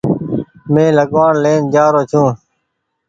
مينٚ لگوآڻ لين جآرو ڇوٚنٚ